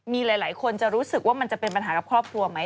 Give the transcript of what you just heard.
มีหลายคนจะรู้สึกว่ามันจะเป็นปัญหากับครอบครัวไหม